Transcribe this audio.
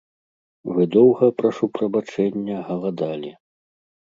Вы доўга, прашу прабачэння, галадалі.